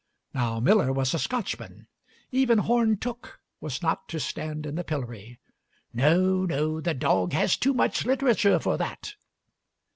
Now Millar was a Scotchman. Even Horne Tooke was not to stand in the pillory: "No, no, the dog has too much literature for that."